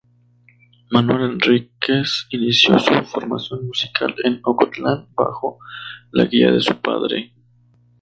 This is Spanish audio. Manuel Enríquez inició su formación musical en Ocotlán, bajo la guía de su padre.